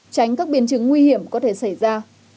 tránh các biến chứng nguy hiểm có thể xảy ra